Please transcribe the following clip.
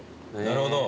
なるほど。